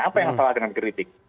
apa yang salah dengan kritik